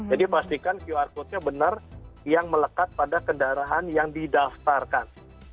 jadi pastikan qr code nya benar yang melekat pada kendaraan yang didaftarkan